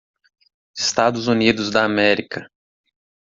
Estados Unidos da Ámerica.